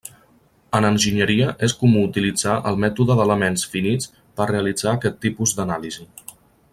En enginyeria és comú utilitzar el mètode d'elements finits per realitzar aquest tipus d'anàlisi.